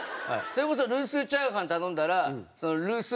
それこそルースチャーハン頼んだらルース